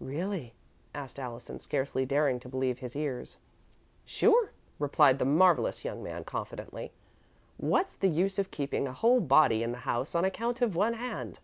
"Really?" asked Allison, scarcely daring to believe his ears. "Sure," replied the marvellous young man, confidently. "What's the use of keeping a whole body in the house on account of one hand?